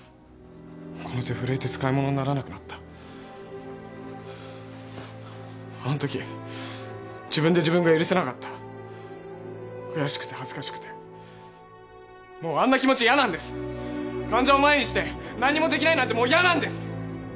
この手震えて使い物にならなくなったあのとき自分で自分が許せなかった悔しくて恥ずかしくてもうあんな気持ちイヤなんです患者を前にして何もできないのはもうイヤなんです！